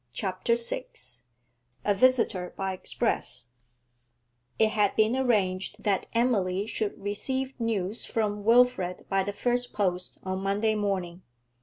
CHAPTER VI A VISITOR BY EXPRESS It had been arranged that Emily should receive news from Wilfrid by the first post on Monday morning.